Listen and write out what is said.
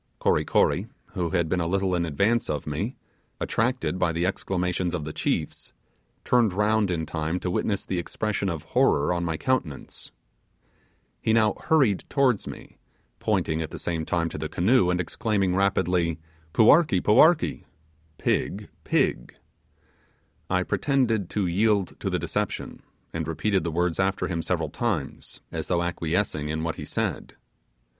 Kory Kory, who had been a little in advance of me, attracted by the exclamations of the chiefs, turned round in time to witness the expression of horror on my countenance. He now hurried towards me, pointing at the same time to the canoe, and exclaiming rapidly, 'Puarkee! puarkee!' (Pig, pig). I pretended to yield to the deception, and repeated the words after him several times, as though acquiescing in what he said.